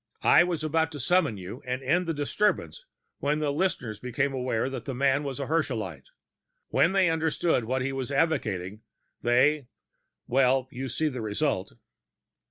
I was about to summon you and end the disturbance, when the listeners became aware that the man was a Herschelite. When they understood what he was advocating, they well, you see the result."